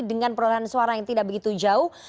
dengan perolehan suara yang tidak begitu jauh